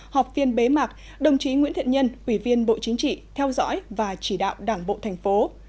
học viên bế mạc đồng chí nguyễn thiện nhân ủy viên bộ chính trị theo dõi và chỉ đạo đảng bộ tp hcm